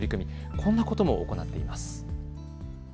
こんなことも行っています。